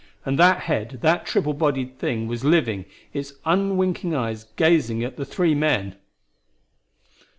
And that head, that triple bodied thing, was living, its unwinking eyes gazing at the three men!